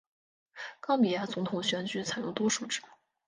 冈比亚总统选举采用多数制。